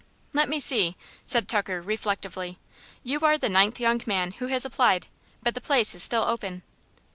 "Let me see," said Tucker, reflectively, "you are the ninth young man who has applied but the place is still open."